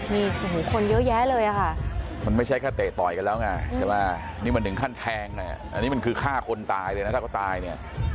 มีคนเยอะแยะเลยอ่ะค่ะมันไม่ใช่แค่เตะต่อยกันแล้วไง